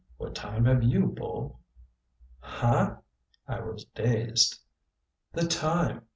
What time have you, Bull?" "Hah?" I was dazed. "The time?